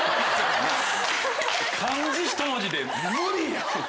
漢字ひと文字で無理。